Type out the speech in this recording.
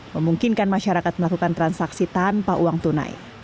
memungkinkan masyarakat melakukan transaksi tanpa uang tunai